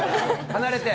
離れて！